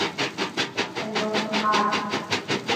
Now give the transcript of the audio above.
اليوم حار